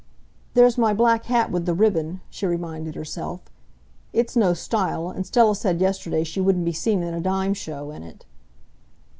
"There's my black hat with the ribbon," she reminded herself. "It's no style, and Stella said yesterday she wouldn't be seen in a dime show in it."